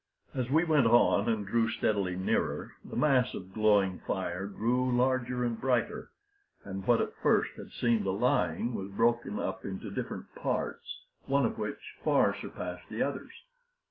As we went on and drew steadily nearer, the mass of glowing fire grew larger and brighter, and what at first had seemed a line was broken up into different parts, one of which far surpassed the others.